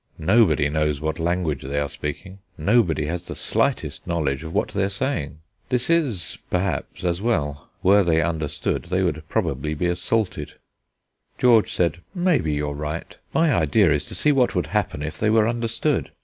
Nobody knows what language they are speaking; nobody has the slightest knowledge of what they are saying. This is, perhaps, as well; were they understood they would probably be assaulted." George said: "Maybe you are right; my idea is to see what would happen if they were understood.